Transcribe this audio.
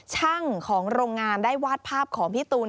ช่างของโรงงานได้วาดภาพของพี่ตูน